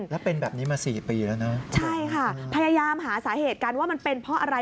แล้วเป็นแบบนี้มาสี่ปีแล้วนะใช่ค่ะพยายามหาสาเหตุกันว่ามันเป็นเพราะอะไร